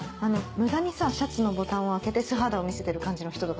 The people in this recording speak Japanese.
無駄にさシャツのボタンを開けて素肌を見せてる感じの人とか。